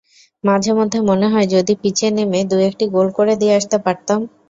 মাঝেমধ্যে মনে হয়, যদি পিচে নেমে দু-একটি গোল করে দিয়ে আসতে পারতাম।